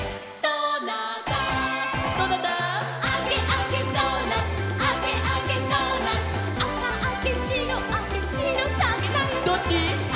「どっち？」